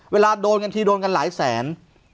เวลาโดนกันทีโดนกันหลายแสน